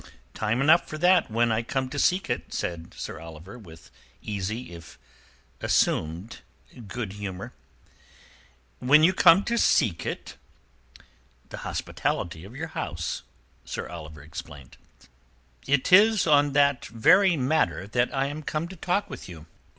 "Time enough for that when I come to seek it," said Sir Oliver, with easy, if assumed, good humour. "When you come to seek it?" "The hospitality of your house," Sir Oliver explained. "It is on that very matter I am come to talk with you."